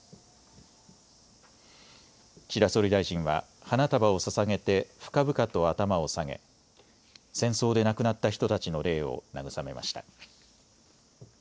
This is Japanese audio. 岸田総理大臣は花束をささげて深々と頭を下げ、戦争で亡くなった人たちの霊を慰めました。